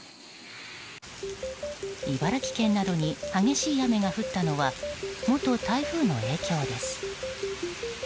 茨城県などに激しい雨が降ったのは元台風の影響です。